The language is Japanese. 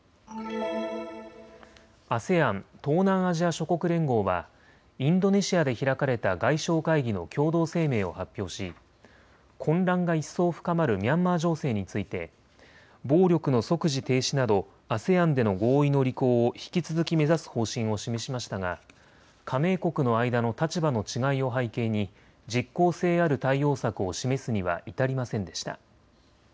ＡＳＥＡＮ・東南アジア諸国連合はインドネシアで開かれた外相会議の共同声明を発表し混乱が一層深まるミャンマー情勢について暴力の即時停止などＡＳＥＡＮでの合意の履行を引き続き目指す方針を示しましたが加盟国の間の立場の違いを背景に実効性ある対応策を示すには至りませんでした。